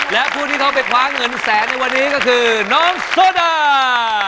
และผู้ที่เขาไปคว้าเงินแสนในวันนี้ก็คือน้องโซดา